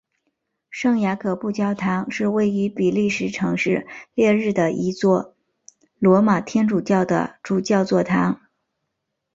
圣雅各布教堂是位于比利时城市列日的一座罗马天主教的主教座堂。